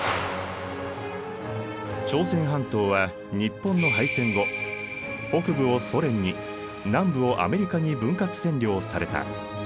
朝鮮半島は日本の敗戦後北部をソ連に南部をアメリカに分割占領された。